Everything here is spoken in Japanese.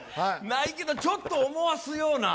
ないけどちょっと思わすような。